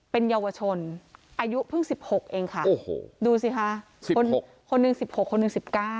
เป็นเยาวชนอายุเพิ่ง๑๖เองค่ะดูสิคะคนหนึ่ง๑๖คนหนึ่ง๑๙